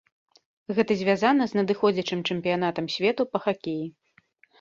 Гэта звязана з надыходзячым чэмпіянатам свету па хакеі.